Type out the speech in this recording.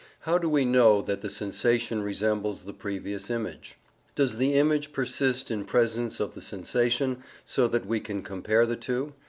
How do we know that the sensation resembles the previous image? Does the image persist in presence of the sensation, so that we can compare the two?